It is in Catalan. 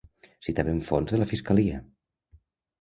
Citaven fonts de la fiscalia.